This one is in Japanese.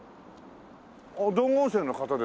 道後温泉の方ですよね？